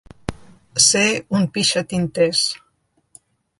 Ser un pixatinters.